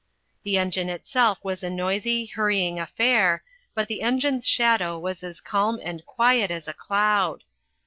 The engine itself was a noisy, hurrying affair, but the engine's shadow was as calm and quiet as a cloud.